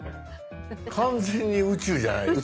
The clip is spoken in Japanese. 完全に宇宙じゃないですか。